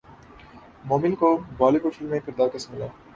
مومل کو Bollywood film میں کردار کیسے ملا